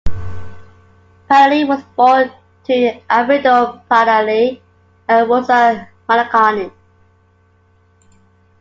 Pinelli was born to Alfredo Pinelli and Rosa Malacarne.